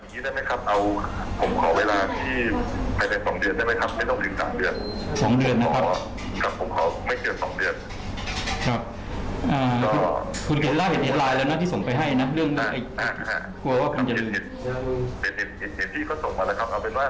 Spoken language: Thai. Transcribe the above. คุณได้เห็นลายแล้วนะที่ส่งไปให้นะ